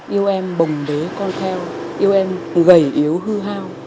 yêu em bồng đế con theo yêu em gầy yếu hư hao